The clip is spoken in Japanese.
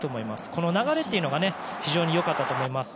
この流れというのが非常に良かったと思います。